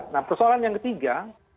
nah persoalan yang ketiga